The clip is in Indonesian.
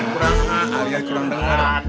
kurang a alias kurang dengar